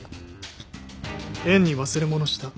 「縁に忘れ物した。